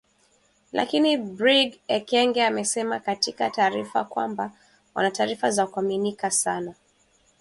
Lakini Brig Ekenge amesema katika taarifa kwamba wana taarifa za kuaminika sana